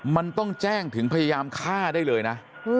มันต้องแจ้งถึงพยายามฆ่าได้เลยนะ